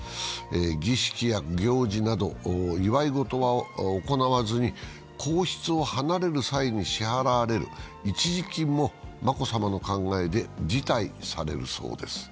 儀式や行事など、祝い事は行わずに皇室を離れる際に支払われる一時金も眞子さまの考えで辞退されるそうです。